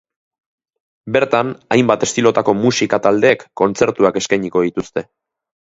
Bertan hainbat estilotako musika taldeek kontzertuak eskainiko dituzte.